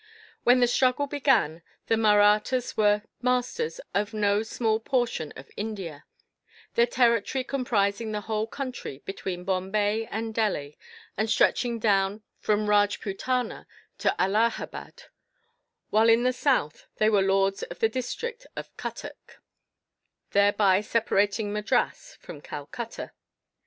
When the struggle began, the Mahrattas were masters of no small portion of India; their territory comprising the whole country between Bombay and Delhi, and stretching down from Rajputana to Allahabad; while in the south they were lords of the district of Cuttack, thereby separating Madras from Calcutta.